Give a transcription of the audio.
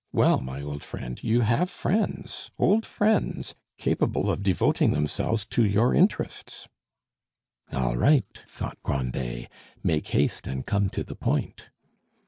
"Well, my old friend, you have friends, old friends, capable of devoting themselves to your interests." "All right!" thought Grandet, "make haste and come to the point!"